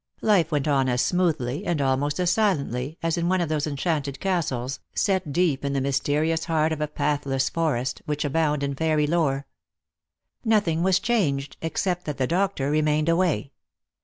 Life went on as smoothly, and almost as silently, as in one of those enchanted castles, set deep in the mysterious heart of a pathless forest, which abound in fairy lore. Nothing was changed, except that the doctor remained away.